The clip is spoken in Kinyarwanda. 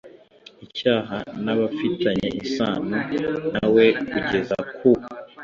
Icyaha n abafitanye isano nawe kugeza ku